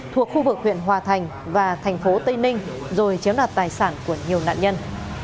thuộc khu vực huyện hòa thành và thành phố tây ninh rồi chiếm đoạt tài sản của nhiều nạn nhân